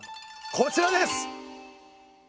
こちらです！